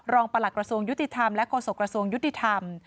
รองประหลักกระทรวงยุติธรรมและกสุครัตรยุติธรรม